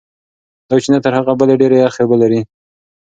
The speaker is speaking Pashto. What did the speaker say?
دا چینه تر هغې بلې ډېرې یخې اوبه لري.